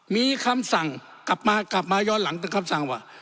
มีคำสั่งกลับมาย้อนหลังแต่คำสั่งว่า